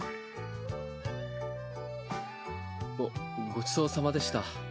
ごごちそうさまでした。